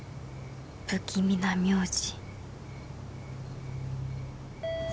不気味な名字